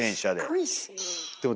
すごいっすね。